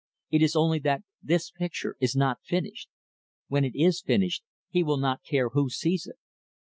It is only that this picture is not finished. When it is finished, he will not care who sees it."